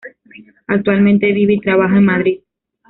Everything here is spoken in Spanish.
Actualmente vive y trabaja en Madrid.